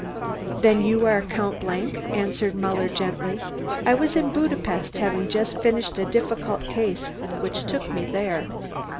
"Then you are Count ?" answered Muller gently. "I was in Budapest, having just finished a difficult case which took me there.